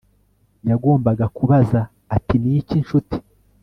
Yagombaga kubaza ati Niki nshuti